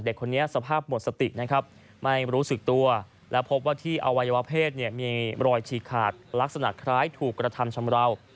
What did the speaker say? คนนี้สภาพหมดสตินะครับไม่รู้สึกตัวและพบว่าที่อวัยวะเพศเนี่ยมีรอยฉีกขาดลักษณะคล้ายถูกกระทำชำราว